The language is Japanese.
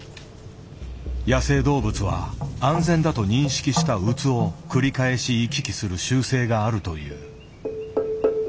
野生動物は安全だと認識したウツを繰り返し行き来する習性があるという。